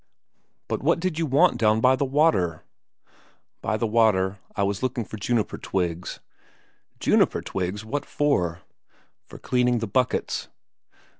"But what did you want down by the water?" "By the water? I was looking for juniper twigs." "Juniper twigs? What for?" "For cleaning the buckets."